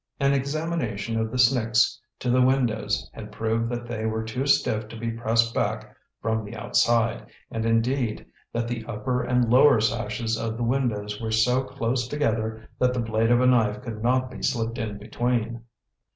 An examination of the snicks to the windows had proved that they were too stiff to be pressed back from the outside, and, indeed, that the upper and lower sashes of the windows were so close together that the blade of a knife could not be slipped in between.